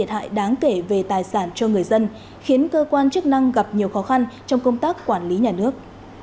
thiệt hại đáng kể về tài sản cho người dân khiến cơ quan chức năng gặp nhiều khó khăn trong công tác quản lý nhà nước